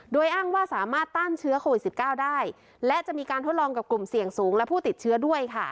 โดยอ้างว่าสามารถต้านเชื้อโควิด๑๙ได้และจะมีการทดลองกับกลุ่มเสี่ยงสูงและผู้ติดเชื้อด้วยค่ะ